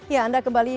ya anda kembali